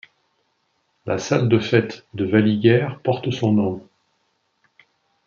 La salle de fête de Valliguières porte son nom.